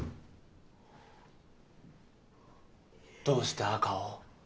どうして赤を？